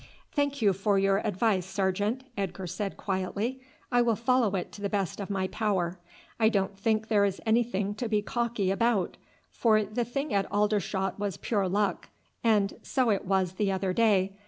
"Thank you for your advice, sergeant," Edgar said quietly. "I will follow it to the best of my power. I don't think there is anything to be cocky about; for the thing at Aldershot was pure luck, and so it was the other day.